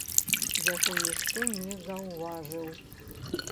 Яго ніхто не заўважыў.